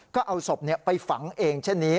ก็เอาศพไปฝังเองเช่นนี้